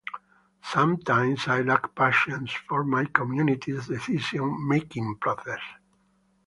Sometimes I lack patience for my community's decision-making process.